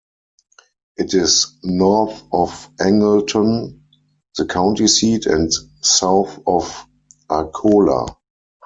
It is north of Angleton, the county seat, and south of Arcola.